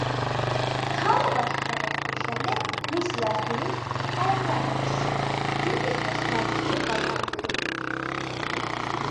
მთავრობაში გადასვლის შემდეგ მისი ადგილი პარლამენტში დიდი ხნის მანძლზე ვაკანტური იყო.